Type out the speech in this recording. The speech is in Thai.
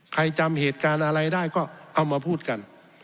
ใครจำเหตุการณ์อะไรได้ก็เอามาพูดกัน